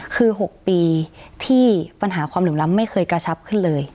คือ๖ปีที่ปัญหาความเหลื่อมล้ำไม่เคยกระชับขึ้นเลย